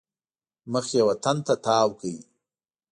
مخ یې وطن ته تاو کړی.